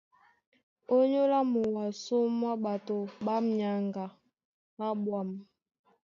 Ónyólá muwasó mwá ɓato ɓá myaŋga ɓá ɓwâm.